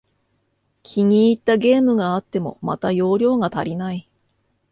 気に入ったゲームがあっても、また容量が足りない